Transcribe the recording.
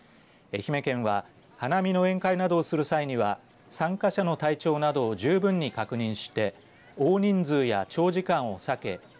愛媛県は、花見の宴会などをする際には参加者の体調などを十分に確認して大人数や長時間をさけ